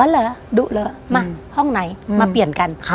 เหรอดุเหรอมาห้องไหนมาเปลี่ยนกัน